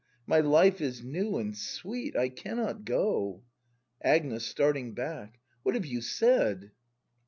My life is new and sweet; — I cannot go! Agnes. [Starting back.] What have you said!